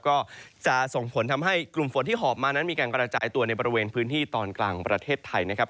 ก็จะส่งผลทำให้กลุ่มฝนที่หอบมานั้นมีการกระจายตัวในบริเวณพื้นที่ตอนกลางของประเทศไทยนะครับ